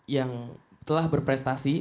yang telah berprestasi